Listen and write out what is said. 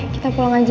kita pulang aja